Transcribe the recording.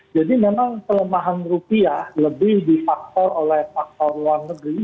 jadi memang kelemahan rupiah lebih difaktor oleh faktor luar negeri